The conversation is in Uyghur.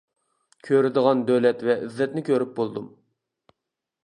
كۆرىدىغان دۆلەت ۋە ئىززەتنى كۆرۈپ بولدۇم.